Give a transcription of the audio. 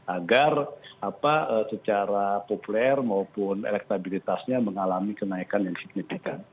agar secara populer maupun elektabilitasnya mengalami kenaikan yang signifikan